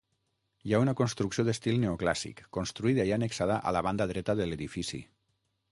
Hi ha una construcció d'estil neoclàssic, construïda i annexada a la banda dreta de l'edifici.